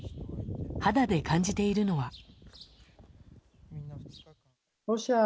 肌で感じているのは。